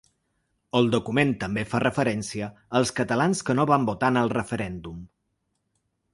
El document també fa referència als catalans que no van votar en el referèndum.